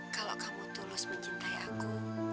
kalau kamu tulus mencintai aku